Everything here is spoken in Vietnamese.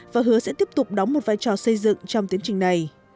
và hứa sẽ tiếp tục đóng một vai trò xây dựng trong tiến trình này